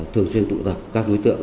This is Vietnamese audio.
thường xuyên tụ tập các đối tượng